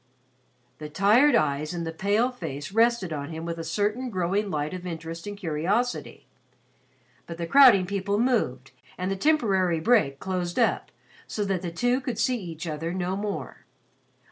The tired eyes in the pale face rested on him with a certain growing light of interest and curiosity, but the crowding people moved and the temporary break closed up, so that the two could see each other no more.